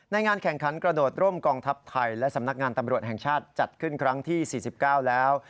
งานแข่งขันกระโดดร่มกองทัพไทยและสำนักงานตำรวจแห่งชาติจัดขึ้นครั้งที่๔๙แล้ว